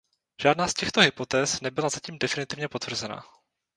Žádná z těchto hypotéz nebyla zatím definitivně potvrzena.